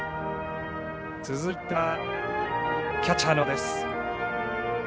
続いてはキャッチャーの安藤です。